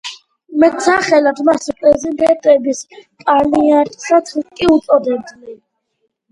მეტსახელად მას „პრეზიდენტების პიანისტსაც“ კი უწოდებდნენ.